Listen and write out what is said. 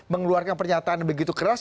mengeluarkan pernyataan begitu keras